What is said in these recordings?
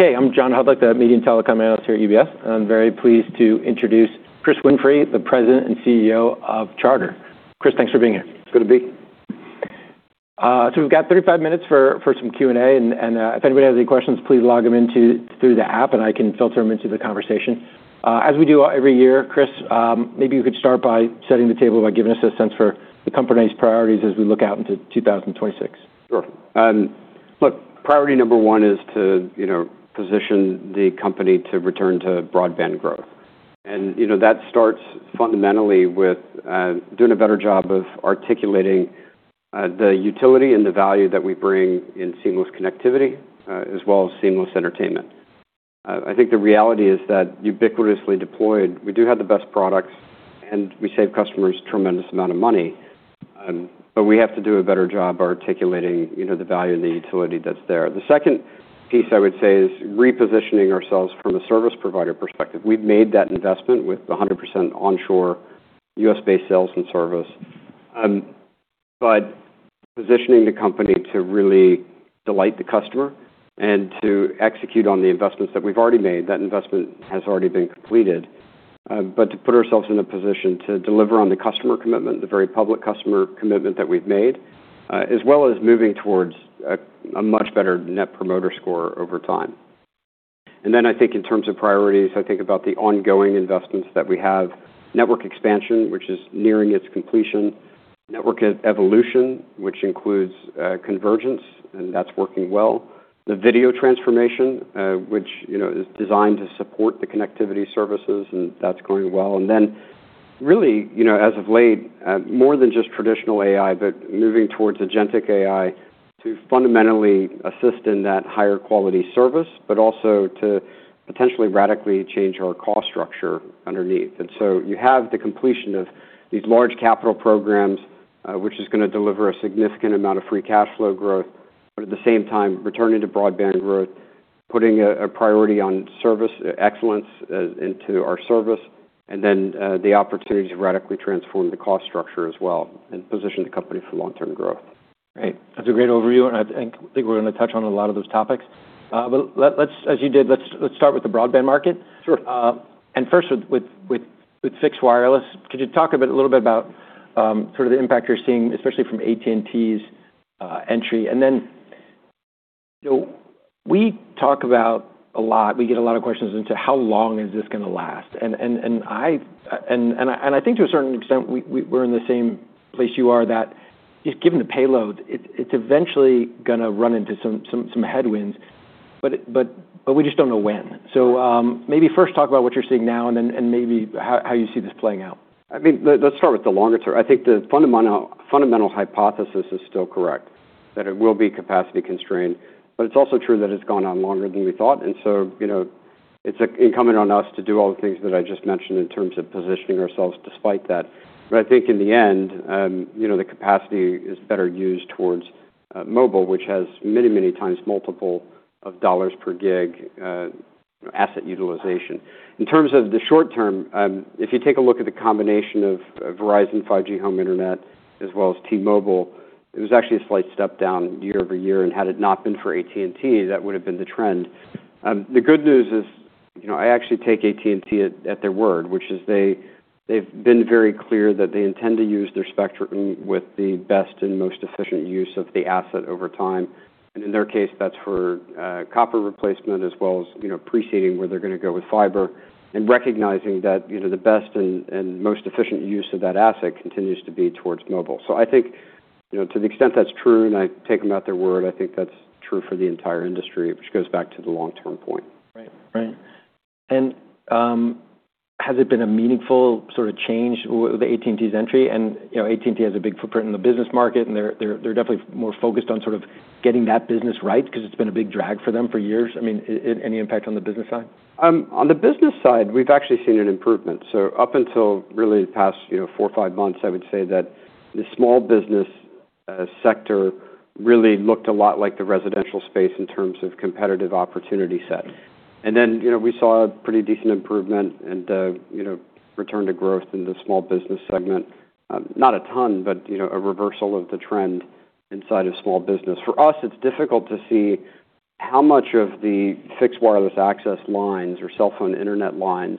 Okay. I'm John Hodulik, the Media and Telecom Analyst here at UBS. I'm very pleased to introduce Chris Winfrey, the President and CEO of Charter. Chris, thanks for being here. It's good to be here. We've got 35 minutes for some Q&A. And if anybody has any questions, please log them in through the app, and I can filter them into the conversation. As we do every year, Chris, maybe you could start by setting the table by giving us a sense for the company's priorities as we look out into 2026. Sure. Look, priority number one is to position the company to return to broadband growth. And that starts fundamentally with doing a better job of articulating the utility and the value that we bring in seamless connectivity, as well as seamless entertainment. I think the reality is that ubiquitously deployed, we do have the best products, and we save customers a tremendous amount of money. But we have to do a better job articulating the value and the utility that's there. The second piece I would say is repositioning ourselves from a service provider perspective. We've made that investment with 100% onshore U.S.-based sales and service. But positioning the company to really delight the customer and to execute on the investments that we've already made, that investment has already been completed. But to put ourselves in a position to deliver on the customer commitment, the very public customer commitment that we've made, as well as moving towards a much better Net Promoter Score over time, and then I think in terms of priorities, I think about the ongoing investments that we have: network expansion, which is nearing its completion. Network evolution, which includes convergence, and that's working well. The video transformation, which is designed to support the connectivity services, and that's going well, and then really, as of late, more than just traditional AI, but moving towards agentic AI to fundamentally assist in that higher quality service, but also to potentially radically change our cost structure underneath. And so you have the completion of these large capital programs, which is going to deliver a significant amount of free cash flow growth, but at the same time, returning to broadband growth, putting a priority on service excellence into our service, and then the opportunity to radically transform the cost structure as well and position the company for long-term growth. Great. That's a great overview. And I think we're going to touch on a lot of those topics. But as you did, let's start with the broadband market. Sure. First, with fixed wireless, could you talk a little bit about sort of the impact you're seeing, especially from AT&T's entry? Then we talk about a lot. We get a lot of questions as to how long is this going to last. I think to a certain extent, we're in the same place you are, that just given the payload, it's eventually going to run into some headwinds. But we just don't know when. Maybe first talk about what you're seeing now and maybe how you see this playing out. I mean, let's start with the longer term. I think the fundamental hypothesis is still correct, that it will be capacity constrained. But it's also true that it's gone on longer than we thought. And so it's incumbent on us to do all the things that I just mentioned in terms of positioning ourselves despite that. But I think in the end, the capacity is better used towards mobile, which has many, many times multiple of dollars per Gig asset utilization. In terms of the short term, if you take a look at the combination of Verizon 5G home internet as well as T-Mobile, it was actually a slight step down year-over-year. And had it not been for AT&T, that would have been the trend. The good news is I actually take AT&T at their word, which is they've been very clear that they intend to use their spectrum with the best and most efficient use of the asset over time, and in their case, that's for copper replacement as well as preceding where they're going to go with fiber and recognizing that the best and most efficient use of that asset continues to be towards mobile, so I think to the extent that's true, and I take them at their word, I think that's true for the entire industry, which goes back to the long-term point. Right. Right. And has it been a meaningful sort of change with AT&T's entry? And AT&T has a big footprint in the business market, and they're definitely more focused on sort of getting that business right because it's been a big drag for them for years. I mean, any impact on the business side? On the business side, we've actually seen an improvement. So up until really the past four or five months, I would say that the small business sector really looked a lot like the residential space in terms of competitive opportunity set. And then we saw a pretty decent improvement and return to growth in the small business segment. Not a ton, but a reversal of the trend inside of small business. For us, it's difficult to see how much of the Fixed Wireless Access lines or cell phone internet lines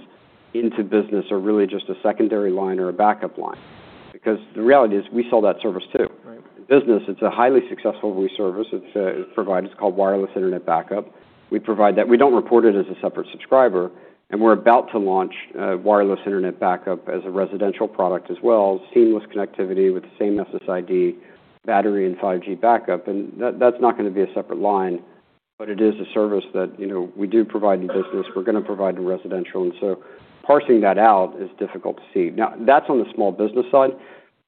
into business are really just a secondary line or a backup line. Because the reality is we sell that service too. In business, it's a highly successful service. It's provided, called Wireless Internet Backup. We don't report it as a separate subscriber. And we're about to launch wireless internet backup as a residential product as well, seamless connectivity with the same SSID, battery, and 5G backup. And that's not going to be a separate line, but it is a service that we do provide in business. We're going to provide in residential. And so parsing that out is difficult to see. Now, that's on the small business side.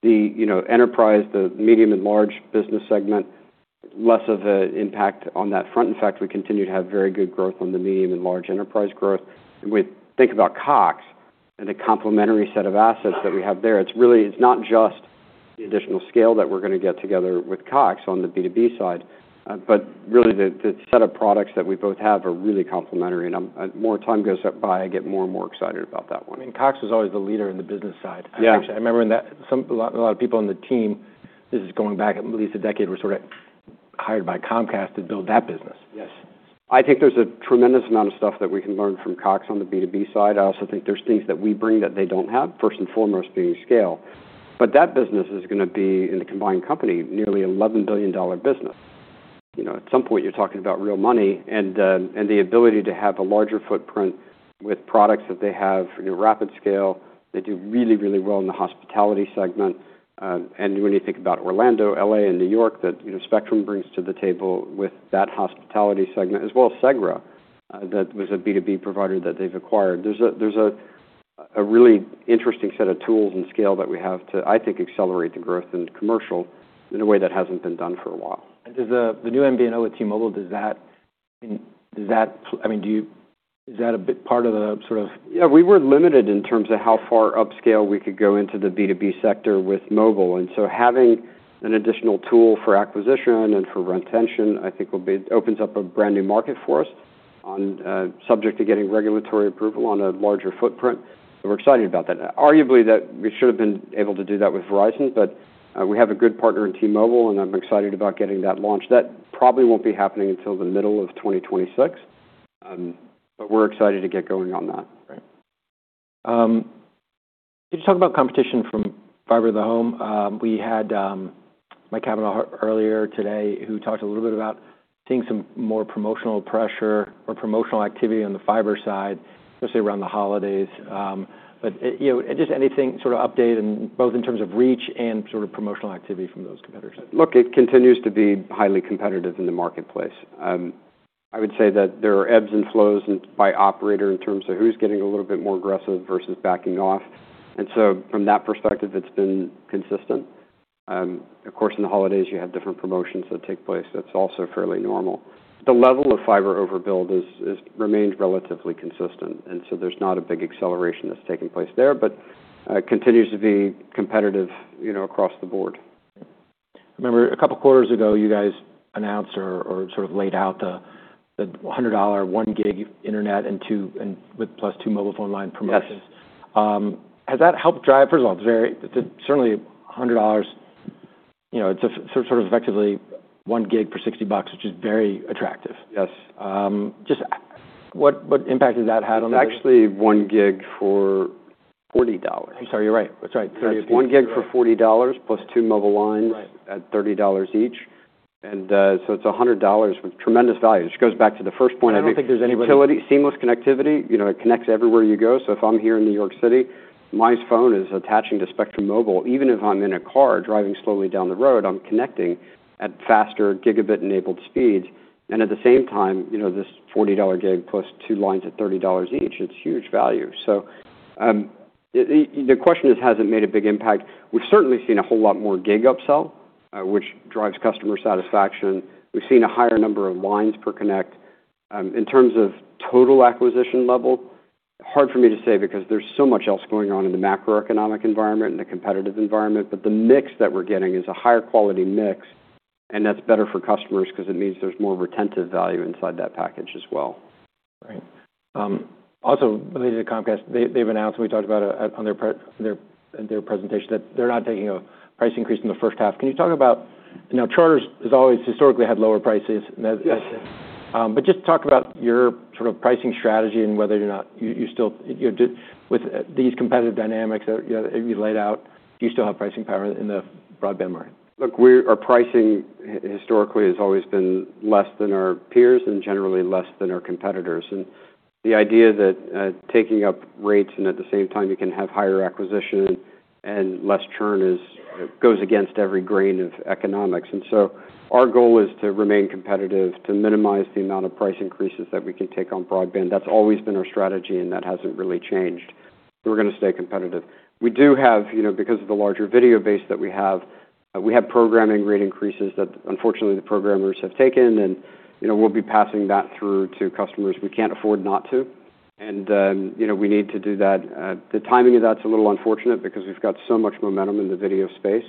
The enterprise, the medium and large business segment, less of an impact on that front. In fact, we continue to have very good growth on the medium and large enterprise growth. And when you think about Cox and the complementary set of assets that we have there, it's really not just the additional scale that we're going to get together with Cox on the B2B side, but really the set of products that we both have are really complementary. More time goes by, I get more and more excited about that one. I mean, Cox was always the leader in the business side. I remember a lot of people on the team, this is going back at least a decade, were sort of hired by Comcast to build that business. Yes. I think there's a tremendous amount of stuff that we can learn from Cox on the B2B side. I also think there's things that we bring that they don't have, first and foremost being scale, but that business is going to be, in the combined company, nearly a $11 billion business. At some point, you're talking about real money and the ability to have a larger footprint with products that they have, rapid scale. They do really, really well in the hospitality segment, and when you think about Orlando, LA, and New York, that Spectrum brings to the table with that hospitality segment, as well as Segra, that was a B2B provider that they've acquired. There's a really interesting set of tools and scale that we have to, I think, accelerate the growth in commercial in a way that hasn't been done for a while. Does the new MVNO with T-Mobile, I mean, is that a big part of the sort of? Yeah. We were limited in terms of how far upscale we could go into the B2B sector with mobile. And so having an additional tool for acquisition and for retention, I think, opens up a brand new market for us, subject to getting regulatory approval on a larger footprint. So we're excited about that. Arguably, we should have been able to do that with Verizon, but we have a good partner in T-Mobile, and I'm excited about getting that launched. That probably won't be happening until the middle of 2026. But we're excited to get going on that. Right. Could you talk about competition from fiber to the home? We had Mike Cavanagh earlier today who talked a little bit about seeing some more promotional pressure or promotional activity on the fiber side, especially around the holidays, but just anything sort of update, both in terms of reach and sort of promotional activity from those competitors? Look, it continues to be highly competitive in the marketplace. I would say that there are ebbs and flows by operator in terms of who's getting a little bit more aggressive versus backing off, and so from that perspective, it's been consistent. Of course, in the holidays, you have different promotions that take place. That's also fairly normal. The level of fiber overbuild remains relatively consistent, and so there's not a big acceleration that's taking place there, but it continues to be competitive across the board. I remember a couple of quarters ago, you guys announced or sort of laid out the $100 1 Gig internet and plus two mobile phone line promotions. Has that helped drive? First of all, it's certainly $100. It's sort of effectively 1 Gig for $60, which is very attractive. Yes. Just what impact has that had on the? It's actually 1 Gig for $40. I'm sorry. You're right. That's right. It's 1 Gig for $40 plus two mobile lines at $30 each. And so it's $100 with tremendous value. It just goes back to the first point. I don't think there's anybody. Seamless connectivity. It connects everywhere you go. So if I'm here in New York City, my phone is attaching to Spectrum Mobile. Even if I'm in a car driving slowly down the road, I'm connecting at faster gigabit-enabled speeds. And at the same time, this $40 Gig plus two lines at $30 each, it's huge value. So the question is, has it made a big impact? We've certainly seen a whole lot more gig upsell, which drives customer satisfaction. We've seen a higher number of lines per connect. In terms of total acquisition level, hard for me to say because there's so much else going on in the macroeconomic environment and the competitive environment. But the mix that we're getting is a higher quality mix. And that's better for customers because it means there's more retentive value inside that package as well. Right. Also, related to Comcast, they've announced, and we talked about it on their presentation, that they're not taking a price increase in the first half. Can you talk about now, Charter has always historically had lower prices? Yes. But just talk about your sort of pricing strategy and whether or not you still, with these competitive dynamics that you laid out, do you still have pricing power in the broadband market? Look, our pricing historically has always been less than our peers and generally less than our competitors. And the idea that taking up rates and at the same time you can have higher acquisition and less churn goes against every grain of economics. And so our goal is to remain competitive, to minimize the amount of price increases that we can take on broadband. That's always been our strategy, and that hasn't really changed. We're going to stay competitive. We do have, because of the larger video base that we have, we have programming rate increases that unfortunately the programmers have taken, and we'll be passing that through to customers. We can't afford not to. And we need to do that. The timing of that's a little unfortunate because we've got so much momentum in the video space.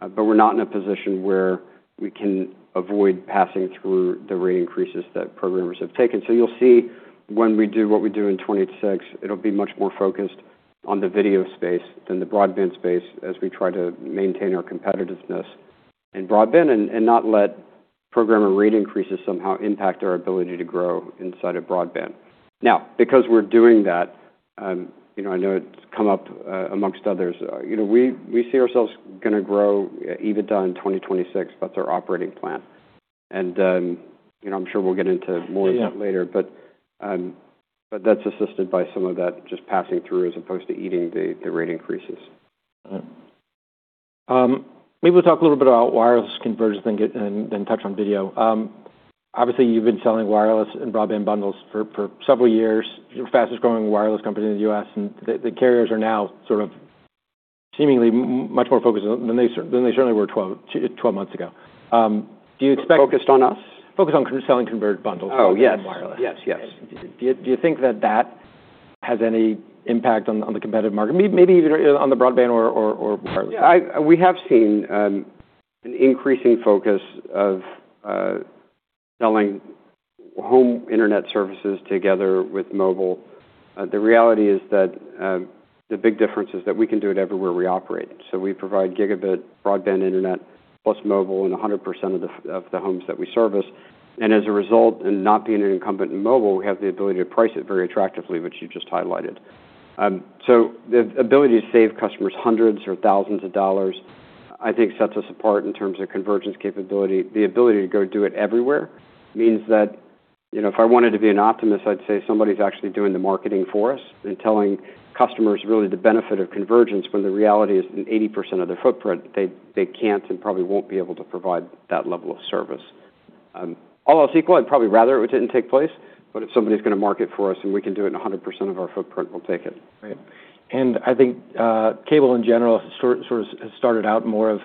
But we're not in a position where we can avoid passing through the rate increases that programmers have taken. So you'll see when we do what we do in 2026, it'll be much more focused on the video space than the broadband space as we try to maintain our competitiveness in broadband and not let programmer rate increases somehow impact our ability to grow inside of broadband. Now, because we're doing that, I know it's come up amongst others. We see ourselves going to grow EBITDA in 2026. That's our operating plan. And I'm sure we'll get into more of that later. But that's assisted by some of that just passing through as opposed to eating the rate increases. Maybe we'll talk a little bit about wireless convergence and then touch on video. Obviously, you've been selling wireless and broadband bundles for several years. You're the fastest growing wireless company in the U.S. And the carriers are now sort of seemingly much more focused than they certainly were 12 months ago. Do you expect? Focused on us? Focused on selling converged bundles and wireless. Oh, yes. Yes. Yes. Do you think that has any impact on the competitive market, maybe even on the broadband or wireless? Yeah. We have seen an increasing focus of selling home internet services together with mobile. The reality is that the big difference is that we can do it everywhere we operate. So we provide gigabit broadband internet plus mobile in 100% of the homes that we service. And as a result, in not being an incumbent in mobile, we have the ability to price it very attractively, which you just highlighted. So the ability to save customers hundreds or thousands of dollars, I think, sets us apart in terms of convergence capability. The ability to go do it everywhere means that if I wanted to be an optimist, I'd say somebody's actually doing the marketing for us and telling customers really the benefit of convergence when the reality is in 80% of their footprint, they can't and probably won't be able to provide that level of service. All else equal, I'd probably rather it didn't take place. But if somebody's going to market for us and we can do it in 100% of our footprint, we'll take it. Right. And I think cable in general sort of has started out more of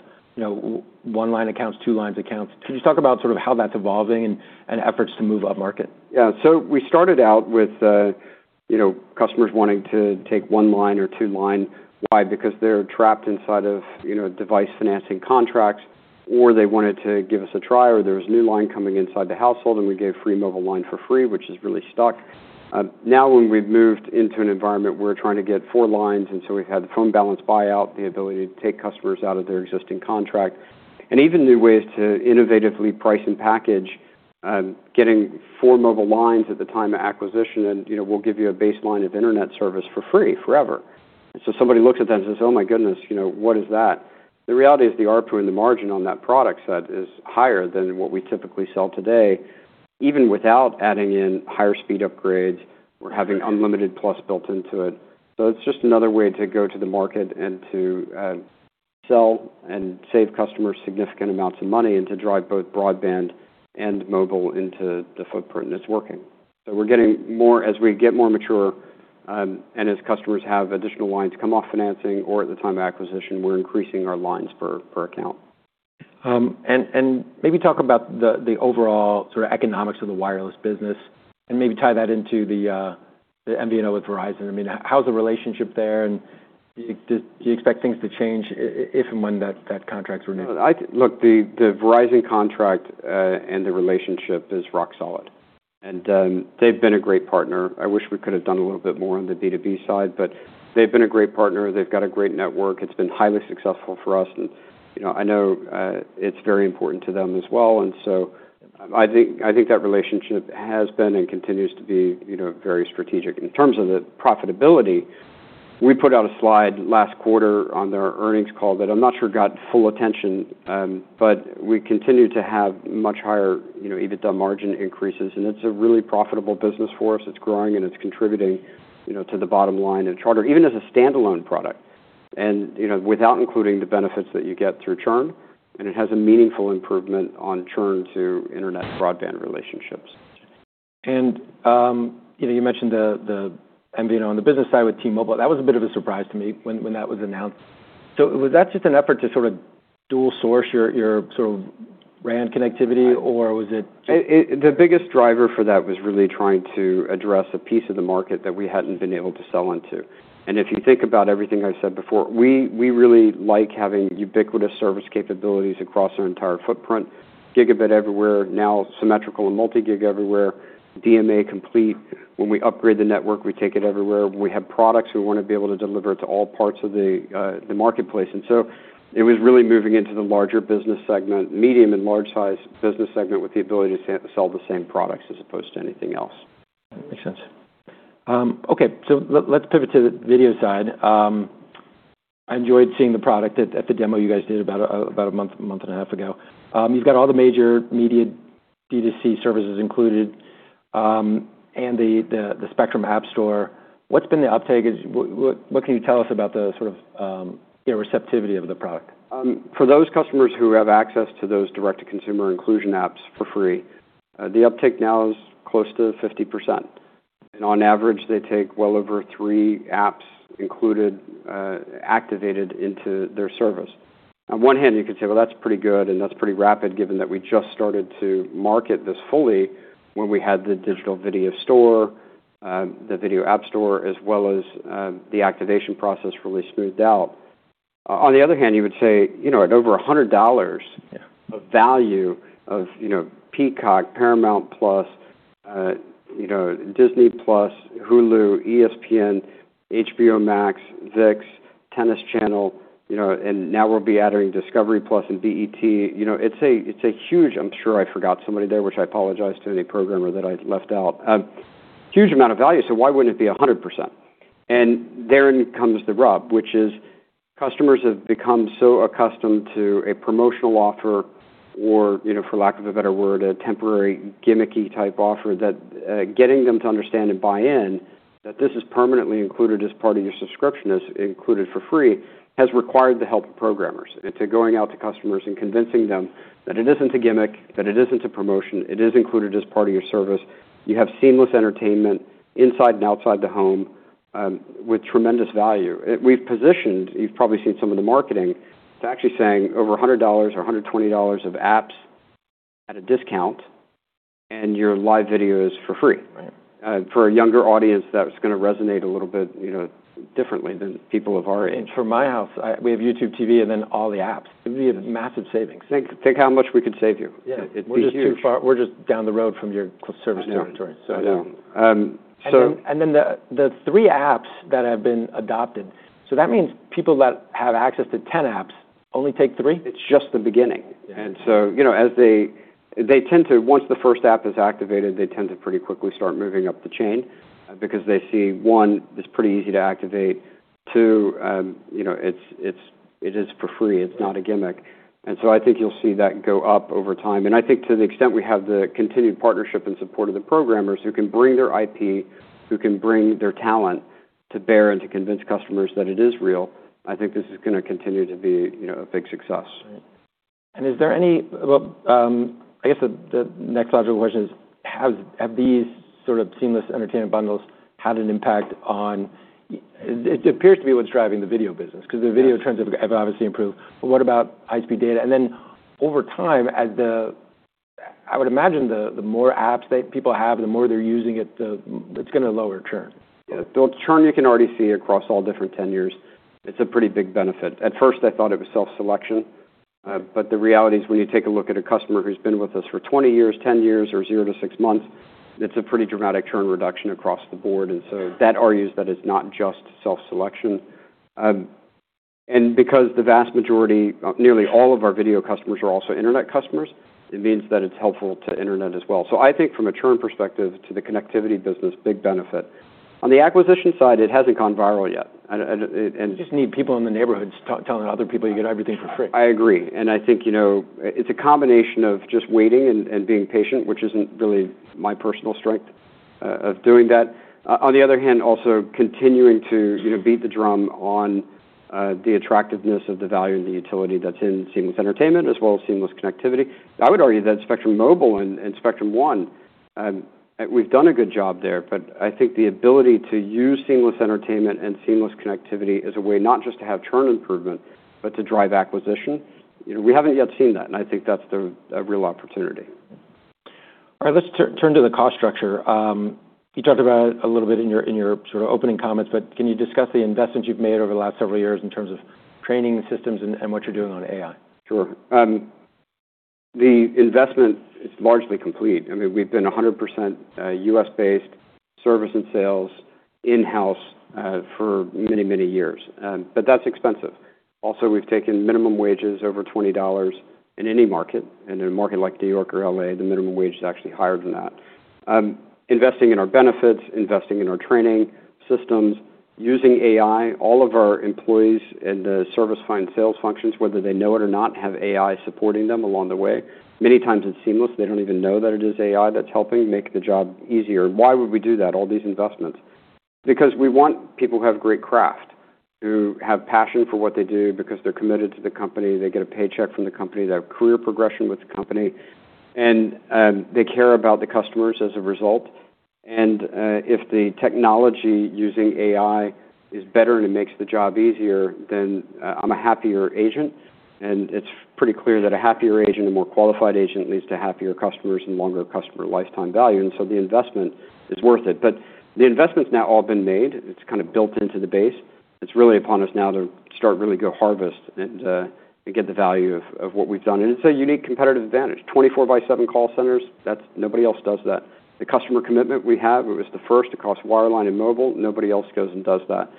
one line accounts, two lines accounts. Could you talk about sort of how that's evolving and efforts to move up market? Yeah. So we started out with customers wanting to take one line or two line. Why? Because they're trapped inside of device financing contracts, or they wanted to give us a try, or there was a new line coming inside the household, and we gave free mobile line for free, which has really stuck. Now, when we've moved into an environment where we're trying to get four lines, and so we've had the phone balance buyout, the ability to take customers out of their existing contract, and even new ways to innovatively price and package, getting four mobile lines at the time of acquisition, and we'll give you a baseline of internet service for free forever. And so somebody looks at that and says, "Oh my goodness, what is that?" The reality is the RPU and the margin on that product set is higher than what we typically sell today, even without adding in higher speed upgrades or having unlimited plus built into it. So it's just another way to go to the market and to sell and save customers significant amounts of money and to drive both broadband and mobile into the footprint. And it's working. So we're getting more as we get more mature and as customers have additional lines come off financing or at the time of acquisition, we're increasing our lines per account. And maybe talk about the overall sort of economics of the wireless business and maybe tie that into the MVNO with Verizon. I mean, how's the relationship there? And do you expect things to change if and when that contract's renewed? Look, the Verizon contract and the relationship is rock solid. And they've been a great partner. I wish we could have done a little bit more on the B2B side, but they've been a great partner. They've got a great network. It's been highly successful for us. And I know it's very important to them as well. And so I think that relationship has been and continues to be very strategic. In terms of the profitability, we put out a slide last quarter on their earnings call that I'm not sure got full attention, but we continue to have much higher EBITDA margin increases. And it's a really profitable business for us. It's growing and it's contributing to the bottom line at Charter, even as a standalone product and without including the benefits that you get through churn. And it has a meaningful improvement on churn to internet broadband relationships. You mentioned the MVNO on the business side with T-Mobile. That was a bit of a surprise to me when that was announced. Was that just an effort to sort of dual source your sort of RAN connectivity, or was it? The biggest driver for that was really trying to address a piece of the market that we hadn't been able to sell into. And if you think about everything I said before, we really like having ubiquitous service capabilities across our entire footprint, gigabit everywhere, now symmetrical and multi-gig everywhere, DMA complete. When we upgrade the network, we take it everywhere. We have products we want to be able to deliver to all parts of the marketplace. And so it was really moving into the larger business segment, medium and large-sized business segment with the ability to sell the same products as opposed to anything else. Makes sense. Okay. So let's pivot to the video side. I enjoyed seeing the product at the demo you guys did about a month, month and a half ago. You've got all the major media D2C services included and the Spectrum App Store. What's been the uptake? What can you tell us about the sort of receptivity of the product? For those customers who have access to those direct-to-consumer inclusion apps for free, the uptake now is close to 50%, and on average, they take well over three apps included, activated into their service. On one hand, you could say, "Well, that's pretty good and that's pretty rapid," given that we just started to market this fully when we had the digital video store, the video app store, as well as the activation process really smoothed out. On the other hand, you would say at over $100 of value of Peacock, Paramount+, Disney+, Hulu, ESPN, HBO Max, ViX, Tennis Channel, and now we'll be adding Discovery+ and BET. It's a huge, I'm sure I forgot somebody there, which I apologize to any programmer that I left out, huge amount of value. So why wouldn't it be 100%? There comes the rub, which is customers have become so accustomed to a promotional offer or, for lack of a better word, a temporary gimmicky type offer that getting them to understand and buy in that this is permanently included as part of your subscription, as included for free, has required the help of programmers and to going out to customers and convincing them that it isn't a gimmick, that it isn't a promotion, it is included as part of your service. You have seamless entertainment inside and outside the home with tremendous value. We've positioned, you've probably seen some of the marketing, to actually saying over $100 or $120 of apps at a discount, and your live video is for free. For a younger audience, that's going to resonate a little bit differently than people of our age. For my house, we have YouTube TV and then all the apps. It would be a massive savings. Think how much we could save you. Yeah. We're just down the road from your service territory. Yeah. And then the three apps that have been adopted, so that means people that have access to 10 apps only take three? It's just the beginning, and so as they tend to, once the first app is activated, they tend to pretty quickly start moving up the chain because they see, one, it's pretty easy to activate. Two, it is for free. It's not a gimmick, and so I think you'll see that go up over time, and I think to the extent we have the continued partnership and support of the programmers who can bring their IP, who can bring their talent to bear and to convince customers that it is real, I think this is going to continue to be a big success. Right. And is there any, well, I guess the next logical question is, have these sort of seamless entertainment bundles had an impact on. It appears to be what's driving the video business because the video trends have obviously improved. But what about ISP data? And then over time, I would imagine the more apps that people have, the more they're using it, it's going to lower churn. Yeah. Well, churn you can already see across all different tenures. It's a pretty big benefit. At first, I thought it was self-selection. But the reality is when you take a look at a customer who's been with us for 20 years, 10 years, or 0-6 months, it's a pretty dramatic churn reduction across the board. And so that argues that it's not just self-selection. And because the vast majority, nearly all of our video customers are also internet customers, it means that it's helpful to internet as well. So I think from a churn perspective, to the connectivity business, big benefit. On the acquisition side, it hasn't gone viral yet. You just need people in the neighborhoods telling other people you get everything for free. I agree, and I think it's a combination of just waiting and being patient, which isn't really my personal strength of doing that. On the other hand, also continuing to beat the drum on the attractiveness of the value and the utility that's in seamless entertainment as well as seamless connectivity. I would argue that Spectrum Mobile and Spectrum One, we've done a good job there. But I think the ability to use seamless entertainment and seamless connectivity as a way not just to have churn improvement, but to drive acquisition, we haven't yet seen that, and I think that's a real opportunity. All right. Let's turn to the cost structure. You talked about it a little bit in your sort of opening comments, but can you discuss the investments you've made over the last several years in terms of training systems and what you're doing on AI? Sure. The investment is largely complete. I mean, we've been 100% US-based service and sales in-house for many, many years. But that's expensive. Also, we've taken minimum wages over $20 in any market. And in a market like New York or LA, the minimum wage is actually higher than that. Investing in our benefits, investing in our training systems, using AI, all of our employees and the service and field sales functions, whether they know it or not, have AI supporting them along the way. Many times it's seamless. They don't even know that it is AI that's helping make the job easier. Why would we do that, all these investments? Because we want people who have great craft, who have passion for what they do because they're committed to the company. They get a paycheck from the company. They have career progression with the company. They care about the customers as a result. If the technology using AI is better and it makes the job easier, then I'm a happier agent. It's pretty clear that a happier agent, a more qualified agent, leads to happier customers and longer customer lifetime value. The investment is worth it. The investment's now all been made. It's kind of built into the base. It's really upon us now to start really go harvest and get the value of what we've done. It's a unique competitive advantage. 24 by 7 call centers, nobody else does that. The customer commitment we have, it was the first across wireline and mobile. Nobody else goes and does that.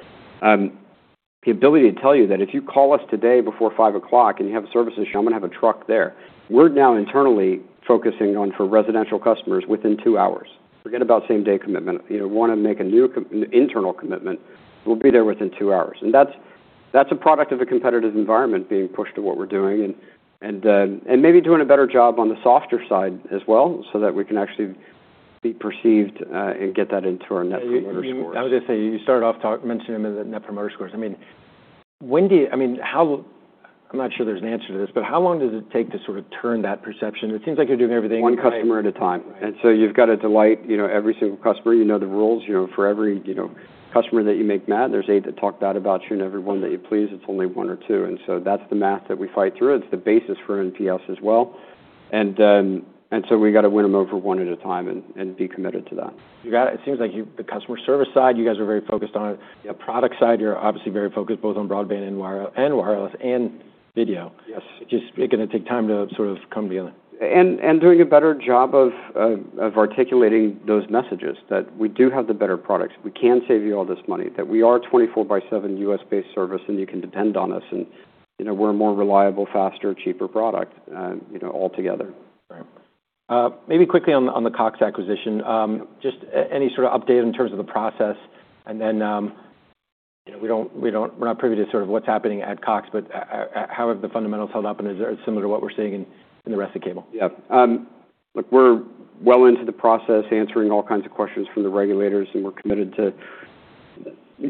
The ability to tell you that if you call us today before 5 o'clock and you have a service issue, I'm going to have a truck there. We're now internally focusing on for residential customers within two hours. Forget about same-day commitment. You want to make a new internal commitment, we'll be there within two hours, and that's a product of a competitive environment being pushed to what we're doing and maybe doing a better job on the softer side as well so that we can actually be perceived and get that into our Net Promoter Scores. I was going to say, you started off mentioning the Net Promoter Scores. I mean, when do you—I mean, how—I'm not sure there's an answer to this, but how long does it take to sort of turn that perception? It seems like you're doing everything. One customer at a time. And so you've got to delight every single customer. You know the rules. For every customer that you make mad, there's eight that talk bad about you and every one that you please. It's only one or two. And so that's the math that we fight through. It's the basis for NPS as well. And so we got to win them over one at a time and be committed to that. You got it. It seems like the customer service side, you guys are very focused on it. The product side, you're obviously very focused both on broadband and wireless and video. It's just going to take time to sort of come together. Doing a better job of articulating those messages that we do have the better products. We can save you all this money. That we are 24/7 U.S.-based service and you can depend on us and we're a more reliable, faster, cheaper product altogether. Right. Maybe quickly on the Cox acquisition, just any sort of update in terms of the process? And then we're not privy to sort of what's happening at Cox, but how have the fundamentals held up? And is it similar to what we're seeing in the rest of Cable? Yeah. Look, we're well into the process answering all kinds of questions from the regulators. And we're committed to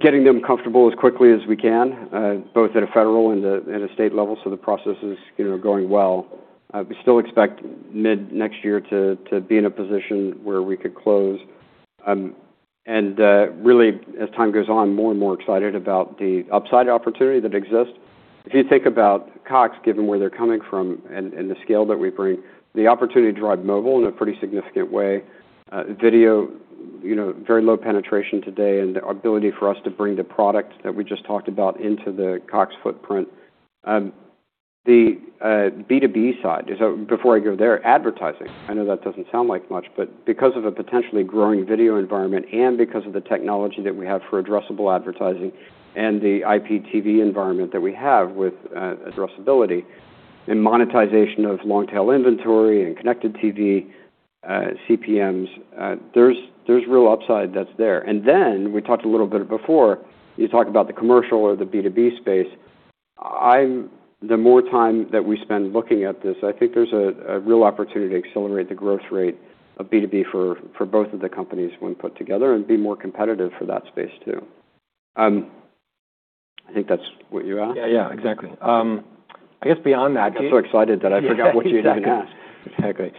getting them comfortable as quickly as we can, both at a federal and a state level. So the process is going well. We still expect mid-next year to be in a position where we could close. And really, as time goes on, more and more excited about the upside opportunity that exists. If you think about Cox, given where they're coming from and the scale that we bring, the opportunity to drive mobile in a pretty significant way, video, very low penetration today, and the ability for us to bring the product that we just talked about into the Cox footprint. The B2B side, before I go there, advertising. I know that doesn't sound like much, but because of a potentially growing video environment and because of the technology that we have for addressable advertising and the IPTV environment that we have with addressability and monetization of long-tail inventory and connected TV, CPMs, there's real upside that's there. And then we talked a little bit before, you talk about the commercial or the B2B space. The more time that we spend looking at this, I think there's a real opportunity to accelerate the growth rate of B2B for both of the companies when put together and be more competitive for that space too. I think that's what you asked. Yeah. Yeah. Exactly. I guess beyond that. I'm so excited that I forgot what you needed. Exactly.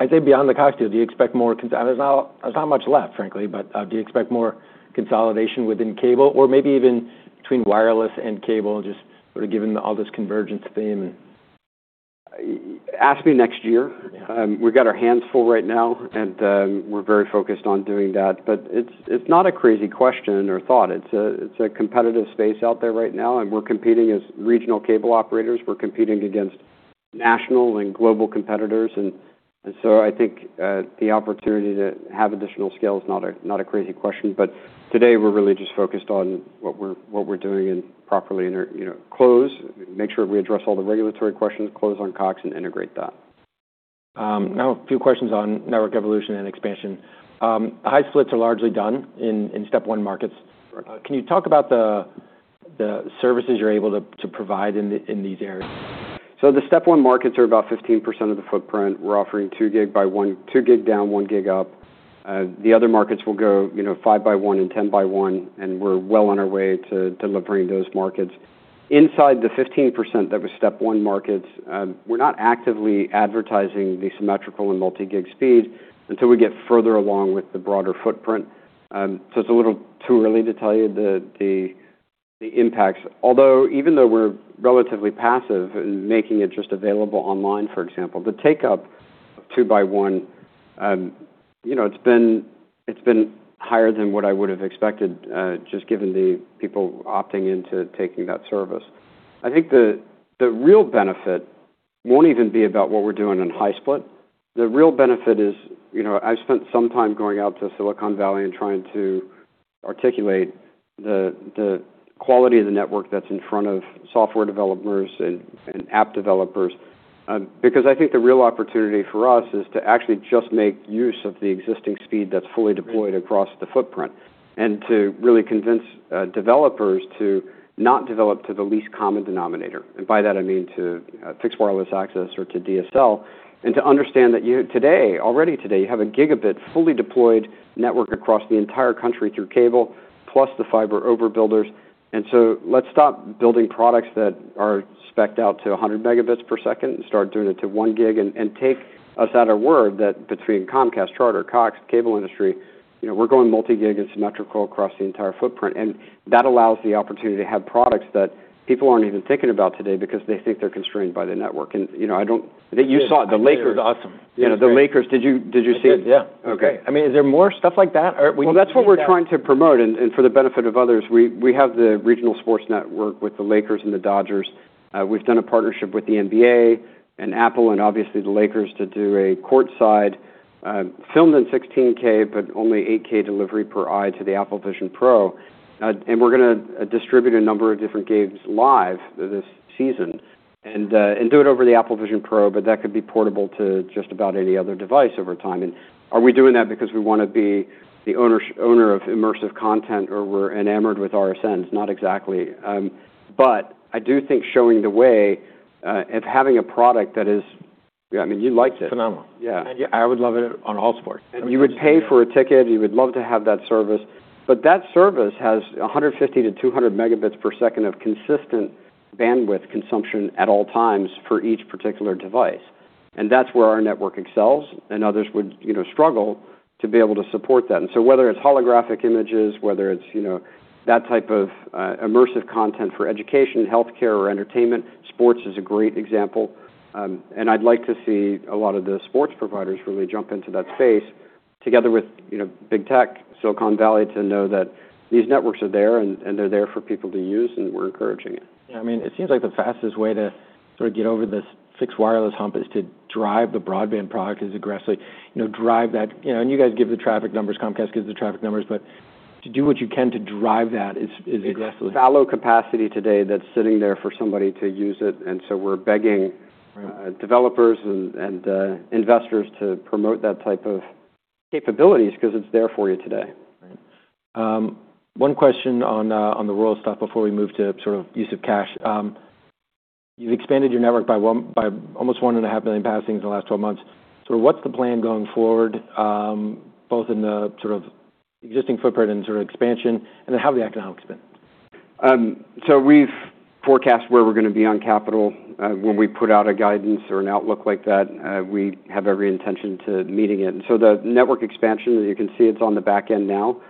I'd say beyond the Cox deal, do you expect more? There's not much left, frankly, but do you expect more consolidation within cable or maybe even between wireless and cable, just sort of given all this convergence theme? Ask me next year. We've got our hands full right now, and we're very focused on doing that. But it's not a crazy question or thought. It's a competitive space out there right now, and we're competing as regional cable operators. We're competing against national and global competitors, and so I think the opportunity to have additional scale is not a crazy question, but today, we're really just focused on what we're doing and properly close, make sure we address all the regulatory questions, close on Cox, and integrate that. Now, a few questions on network evolution and expansion. High splits are largely done in step one markets. Can you talk about the services you're able to provide in these areas? So the step one markets are about 15% of the footprint. We're offering 2 Gig by 1, 2 Gig down, 1 Gig up. The other markets will go 5 by 1 and 10 by 1. And we're well on our way to delivering those markets. Inside the 15% that were step one markets, we're not actively advertising the symmetrical and multi-gig speeds until we get further along with the broader footprint. So it's a little too early to tell you the impacts. Although, even though we're relatively passive in making it just available online, for example, the take-up of 2 by 1, it's been higher than what I would have expected just given the people opting into taking that service. I think the real benefit won't even be about what we're doing in high split. The real benefit is I've spent some time going out to Silicon Valley and trying to articulate the quality of the network that's in front of software developers and app developers because I think the real opportunity for us is to actually just make use of the existing speed that's fully deployed across the footprint and to really convince developers to not develop to the least common denominator. And by that, I mean to fixed wireless access or to DSL and to understand that today, already today, you have a gigabit fully deployed network across the entire country through cable plus the fiber overbuilders. And so let's stop building products that are spec'd out to 100 Mbps and start doing it to 1 Gig and take us at our word that between Comcast, Charter, Cox, cable industry, we're going multi-gig and symmetrical across the entire footprint. And that allows the opportunity to have products that people aren't even thinking about today because they think they're constrained by the network. And I don't think you saw it. The Lakers. This is awesome. The Lakers. Did you see it? Yeah. Okay. I mean, is there more stuff like that? That's what we're trying to promote. For the benefit of others, we have the regional sports network with the Lakers and the Dodgers. We've done a partnership with the NBA and Apple and obviously the Lakers to do a courtside, filmed in 16K, but only 8K delivery per eye to the Apple Vision Pro. We're going to distribute a number of different games live this season and do it over the Apple Vision Pro, but that could be portable to just about any other device over time. Are we doing that because we want to be the owner of immersive content or we're enamored with RSNs? Not exactly. I do think showing the way of having a product that is, I mean, you liked it. Phenomenal. Yeah. I would love it on all sports. You would pay for a ticket. You would love to have that service. That service has 150-200 Mbps of consistent bandwidth consumption at all times for each particular device. That's where our network excels and others would struggle to be able to support that. Whether it's holographic images, whether it's that type of immersive content for education, healthcare, or entertainment, sports is a great example. I'd like to see a lot of the sports providers really jump into that space together with big tech, Silicon Valley, to know that these networks are there and they're there for people to use. We're encouraging it. Yeah. I mean, it seems like the fastest way to sort of get over this fixed wireless hump is to drive the broadband product as aggressively, drive that. And you guys give the traffic numbers. Comcast gives the traffic numbers. But to do what you can to drive that as aggressively. There's a shallow capacity today that's sitting there for somebody to use it, and so we're begging developers and investors to promote that type of capabilities because it's there for you today. One question on the rural stuff before we move to sort of use of cash. You've expanded your network by almost 1.5 million passings in the last 12 months. So what's the plan going forward, both in the sort of existing footprint and sort of expansion, and then how have the economics been? So we've forecast where we're going to be on capital. When we put out a guidance or an outlook like that, we have every intention to meet it. And so the network expansion, you can see it's on the back end now.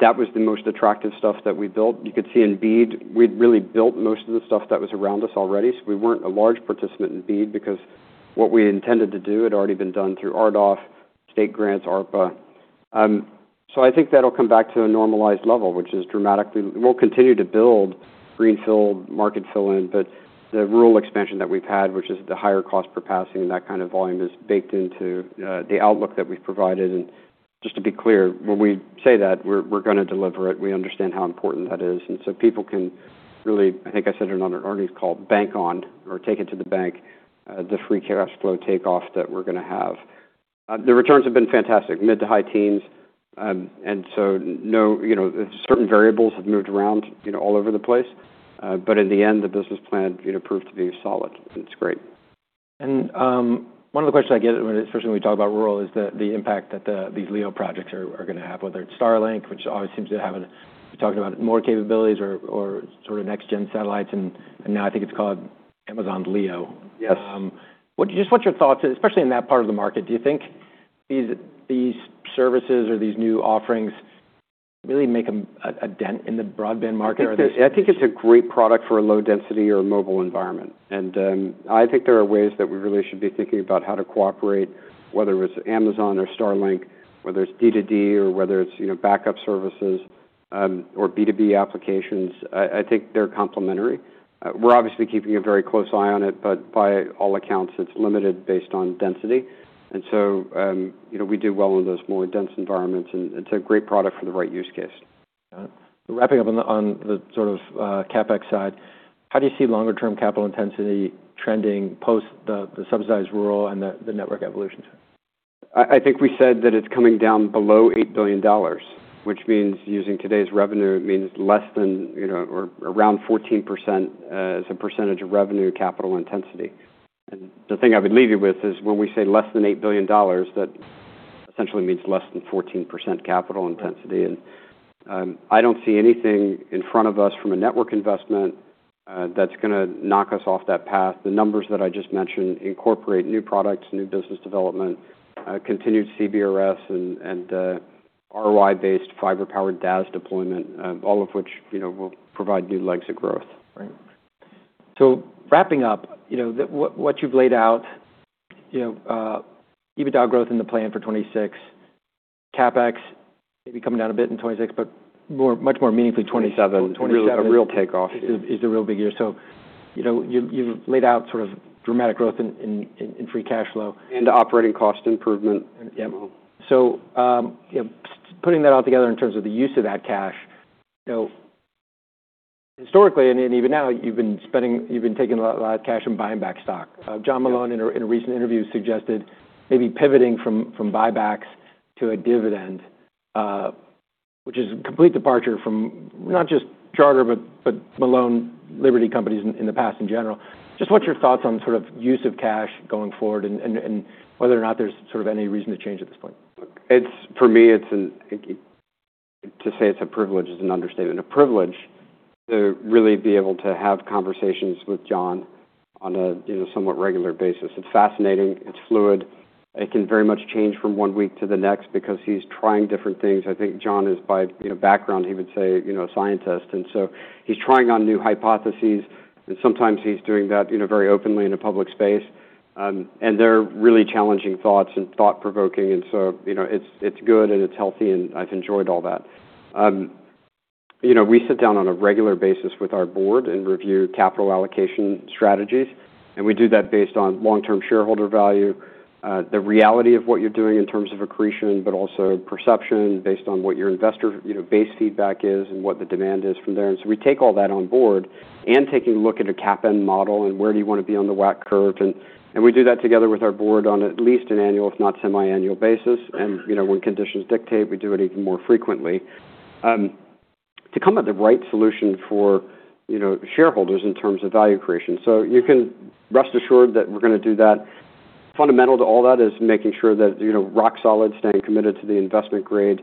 That was the most attractive stuff that we built. You could see in BEAD, we'd really built most of the stuff that was around us already. So we weren't a large participant in BEAD because what we intended to do had already been done through RDOF, state grants, ARPA. So I think that'll come back to a normalized level, which is dramatically we'll continue to build greenfield, market fill-in, but the rural expansion that we've had, which is the higher cost per passing and that kind of volume, is baked into the outlook that we've provided. And just to be clear, when we say that, we're going to deliver it. We understand how important that is. And so people can really, I think I said it on an earnings call, bank on or take it to the bank, the free cash flow takeoff that we're going to have. The returns have been fantastic, mid to high teens. And so certain variables have moved around all over the place. But in the end, the business plan proved to be solid. And it's great. And one of the questions I get, especially when we talk about rural, is the impact that these LEO projects are going to have, whether it's Starlink, which always seems to have a—we're talking about more capabilities or sort of next-gen satellites. And now I think it's called Amazon LEO. Just what's your thoughts, especially in that part of the market? Do you think these services or these new offerings really make a dent in the broadband market? I think it's a great product for a low-density or mobile environment. And I think there are ways that we really should be thinking about how to cooperate, whether it's Amazon or Starlink, whether it's D2D or whether it's backup services or B2B applications. I think they're complementary. We're obviously keeping a very close eye on it, but by all accounts, it's limited based on density. And so we do well in those more dense environments. And it's a great product for the right use case. Got it. Wrapping up on the sort of CapEx side, how do you see longer-term capital intensity trending post the subsidized rural and the network evolution? I think we said that it's coming down below $8 billion, which means using today's revenue, it means less than or around 14% as a percentage of revenue capital intensity. The thing I would leave you with is when we say less than $8 billion, that essentially means less than 14% capital intensity. I don't see anything in front of us from a network investment that's going to knock us off that path. The numbers that I just mentioned incorporate new products, new business development, continued CBRS, and ROI-based fiber-powered DAS deployment, all of which will provide new legs of growth. Right. So wrapping up, what you've laid out, EBITDA growth in the plan for 2026, CapEx maybe coming down a bit in 2026, but much more meaningfully 2027. 2027 is a real takeoff. It's a real big year. So you've laid out sort of dramatic growth in free cash flow. Operating cost improvement. Yeah. So putting that all together in terms of the use of that cash, historically and even now, you've been taking a lot of cash and buying back stock. John Malone, in a recent interview, suggested maybe pivoting from buybacks to a dividend, which is a complete departure from not just Charter, but Malone, Liberty companies in the past in general. Just what's your thoughts on sort of use of cash going forward and whether or not there's sort of any reason to change at this point? For me, to say it's a privilege is an understatement. A privilege to really be able to have conversations with John on a somewhat regular basis. It's fascinating. It's fluid. It can very much change from one week to the next because he's trying different things. I think John is, by background, he would say, a scientist. And so he's trying on new hypotheses. And sometimes he's doing that very openly in a public space. And they're really challenging thoughts and thought-provoking. And so it's good and it's healthy. And I've enjoyed all that. We sit down on a regular basis with our board and review capital allocation strategies. And we do that based on long-term shareholder value, the reality of what you're doing in terms of accretion, but also perception based on what your investor base feedback is and what the demand is from there. And so we take all that on board and take a look at a capex model and where do you want to be on the WACC curve. We do that together with our board on at least an annual, if not semi-annual basis. When conditions dictate, we do it even more frequently to come up with the right solution for shareholders in terms of value creation. You can rest assured that we're going to do that. Fundamental to all that is making sure that rock solid, staying committed to the investment grade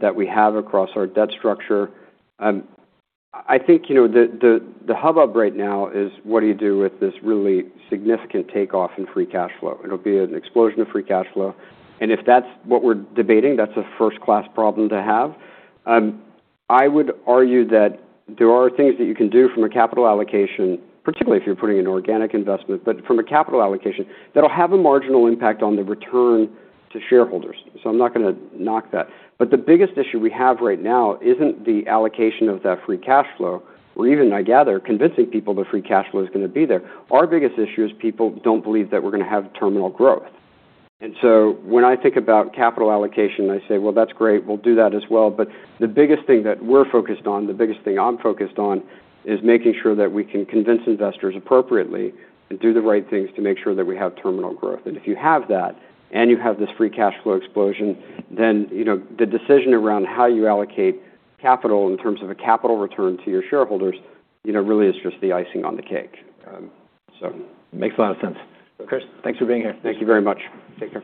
that we have across our debt structure. I think the hubbub right now is, what do you do with this really significant takeoff in free cash flow? It'll be an explosion of free cash flow. If that's what we're debating, that's a first-class problem to have. I would argue that there are things that you can do from a capital allocation, particularly if you're putting in organic investment, but from a capital allocation that'll have a marginal impact on the return to shareholders. So I'm not going to knock that. But the biggest issue we have right now isn't the allocation of that free cash flow or even, I gather, convincing people the free cash flow is going to be there. Our biggest issue is people don't believe that we're going to have terminal growth. And so when I think about capital allocation, I say, "Well, that's great. We'll do that as well." But the biggest thing that we're focused on, the biggest thing I'm focused on, is making sure that we can convince investors appropriately and do the right things to make sure that we have terminal growth. If you have that and you have this free cash flow explosion, then the decision around how you allocate capital in terms of a capital return to your shareholders really is just the icing on the cake. Makes a lot of sense. Chris, thanks for being here. Thank you very much. Take care.